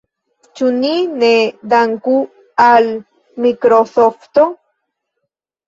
Ĉu ni ne danku al Mikrosofto?